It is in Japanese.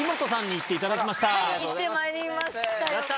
行ってまいりましたよ。